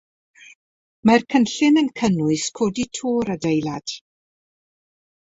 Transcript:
Mae'r cynllun yn cynnwys codi to'r adeilad.